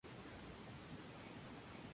John" nunca participaron en combate.